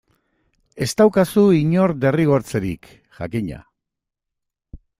Ez daukazu inor derrigortzerik, jakina.